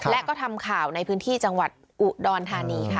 และก็ทำข่าวในพื้นที่จังหวัดอุดรธานีค่ะ